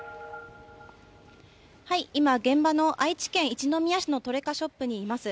今、現場の愛知県一宮市のトレカショップにいます。